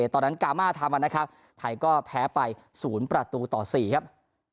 ตอนนั้นกามาทำนะครับไทยก็แพ้ไป๐ประตูต่อ๔ครับ